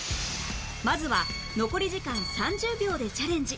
まずは残り時間３０秒でチャレンジ